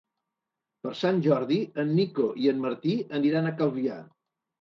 Per Sant Jordi en Nico i en Martí aniran a Calvià.